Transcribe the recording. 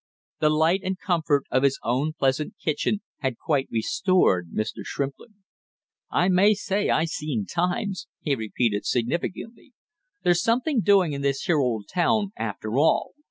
The light and comfort of his own pleasant kitchen had quite restored Mr. Shrimplin. "I may say I seen times!" he repeated significantly. "There's something doing in this here old town after all!